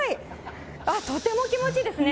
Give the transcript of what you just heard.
とても気持ちいいですね。